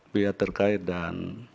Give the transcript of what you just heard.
biar terkait dan